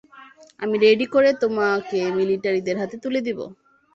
আমি রেডিও করে তোমাকে মিলিটারি দের হাতে তুলে দিবো।